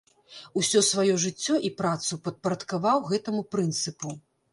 Усё сваё жыццё і працу падпарадкаваў гэтаму прынцыпу.